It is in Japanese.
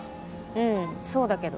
うんそうだけど。